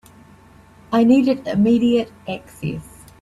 I needed immediate access.